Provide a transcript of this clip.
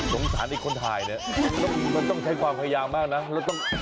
สงสารอีกคนถ่ายเนี่ยต้องใช้ความพยายามมากนะอารมณ์มากเลย